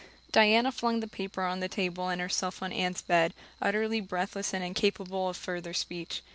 Diana flung the paper on the table and herself on Anne's bed, utterly breathless and incapable of further speech.